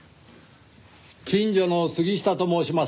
近所の杉下と申します。